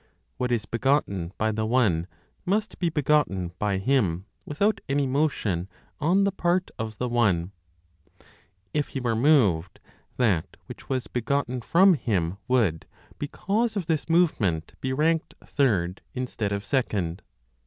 What is begotten by the One must be begotten by Him without any motion on the part of the One; if He were moved, that which was begotten from Him would, because of this movement, be ranked third, instead of second.